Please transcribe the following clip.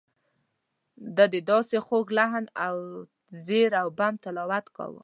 ده داسې خوږ لحن او زیر و بم تلاوت کاوه.